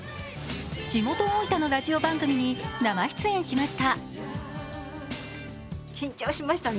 地元・大分のラジオ番組に生出演しました。